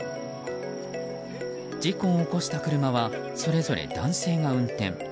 事故を起こした車はそれぞれ男性が運転。